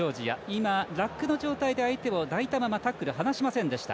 今、ラックの状態で相手を抱いたままタックル、離しませんでした。